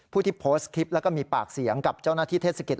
ที่โพสต์คลิปแล้วก็มีปากเสียงกับเจ้าหน้าที่เทศกิจ